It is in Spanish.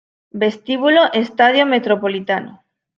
Vestíbulo Estadio Metropolitano